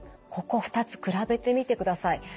ここ２つ比べてみてください。